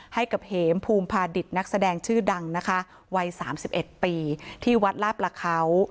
ให้กับเหมภูมิพาดิตนักแสดงชื่อดังนะคะวัย๓๑ปีที่วัดลาประเขา